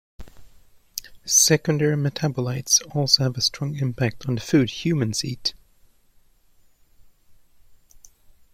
Secondary metabolites also have a strong impact on the food humans eat.